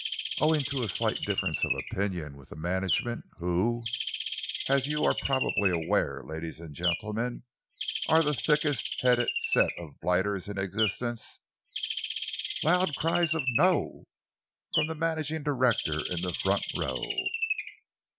Owing to a slight difference of opinion with the management, who, as you are probably aware, ladies and gentlemen, are the thickest headed set of blighters in existence " Loud cries of "No!" from the managing director in the front row.